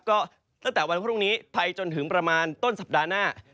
ก็ตั้งแต่วันพรุ่งนี้ไปจนถึงประมาณต้นสัปดาห์หน้า